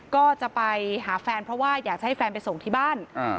ก็จะไปหาแฟนเพราะว่าอยากจะให้แฟนไปส่งที่บ้าน